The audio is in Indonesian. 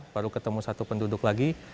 baru ketemu satu penduduk lagi